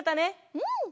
うん！